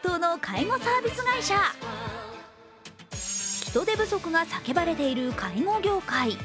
人手不足が叫ばれている介護業界。